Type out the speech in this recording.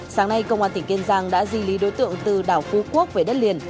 sáng nay công an tỉnh kiên giang đã di lý đối tượng từ đảo phú quốc về đất liền